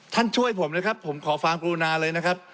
ท่านช่วยผมเลยครับผมขอฟังครูนาเลยนะครับ